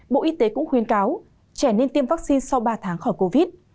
bộ y tế cũng khuyên cáo trẻ nên tiêm vaccine sau ba tháng khỏi covid